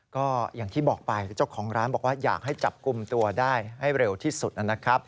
ก็อย่างที่บอกไปเจ้าของร้านบอกว่าอยากให้จับกลุ่มตัวได้ให้เร็วที่สุดนะครับ